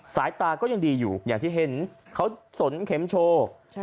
สายตาก็ยังดีอยู่อย่างที่เห็นเขาสนเข็มโชว์